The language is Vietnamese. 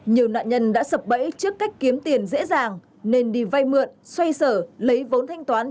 nhiều nạn nhân đã sập bẫy trước cách kiếm tiền dễ dàng nên đi vay mượn xoay sở lấy vốn thanh toán